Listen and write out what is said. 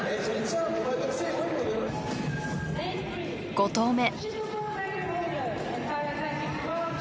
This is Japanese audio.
５投目。